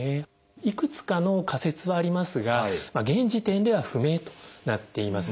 いくつかの仮説はありますが現時点では不明となっています。